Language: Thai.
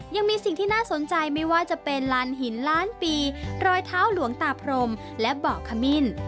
ยังมีสิ่งที่น่าสนใจไม่ว่าจะเป็นลานหินล้านปีรอยเท้าหลวงตาพรมและเบาะขมิ้น